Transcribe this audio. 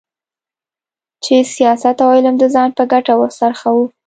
چې سیاست او علم د ځان په ګټه وڅرخوو.